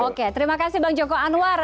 oke terima kasih bang joko anwar